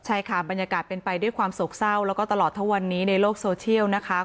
ใช่ค่ะบรรยากาศเป็นไปด้วยความโศกเศร้าแล้วก็ตลอดทั้งวันนี้ในโลกโซเชียลนะคะ